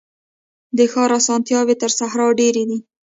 د ښار اسانتیاوي تر صحرا ډیري دي.